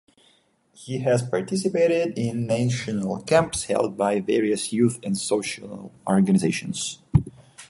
He has participated in National Camps held by various youth and social organizations.